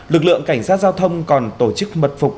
lực lượng cảnh sát giao thông còn tổ chức mật phục